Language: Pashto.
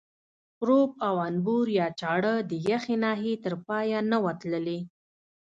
پروب او انبور یا چاړه د یخې ناحیې تر پایه نه وه تللې.